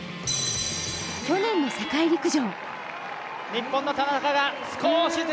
去年の世界陸上。